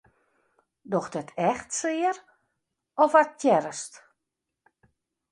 Docht it echt sear of aktearrest?